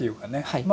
はい。